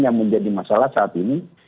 yang menjadi masalah saat ini